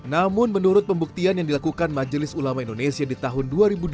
namun menurut pembuktian yang dilakukan majelis ulama indonesia di tahun dua ribu dua puluh